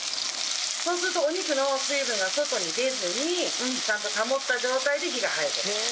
そうするとお肉の水分が外に出ずにちゃんと保った状態で火が入る。